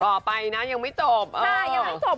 ต่อไปนะยังไม่จบ